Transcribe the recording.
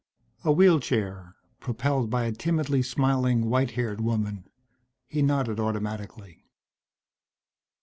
A wheelchair, propelled by a timidly smiling white haired woman. He nodded automatically.